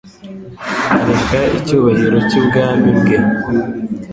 areka icyubahiro cy'ubwami bwe.